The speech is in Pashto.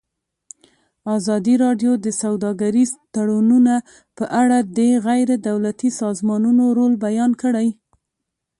ازادي راډیو د سوداګریز تړونونه په اړه د غیر دولتي سازمانونو رول بیان کړی.